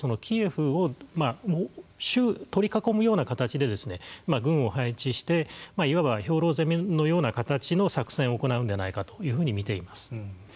このあと、キエフを取り囲むような形で軍を配置していわば兵糧攻めのような形の作戦を行うんではないかとというふうに見ています。